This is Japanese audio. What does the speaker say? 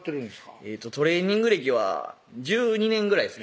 トレーニング歴は１２年ぐらいです